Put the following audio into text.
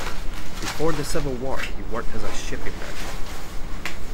Before the Civil War, he worked as a shipping merchant.